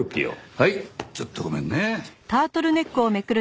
はいちょっとごめんね。